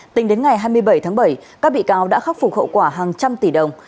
tính đến ngày hai mươi bảy tháng bảy các bị cáo đã khắc phục hậu quả hàng trăm tỷ đồng